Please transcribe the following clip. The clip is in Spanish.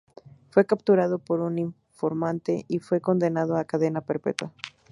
Fue capturado por un informante y fue condenado a cadena perpetua.